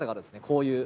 こういう。